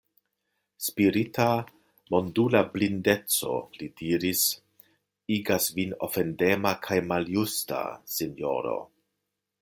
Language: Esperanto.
Spirita, mondula blindeco, li diris, igas vin ofendema kaj maljusta, sinjoro.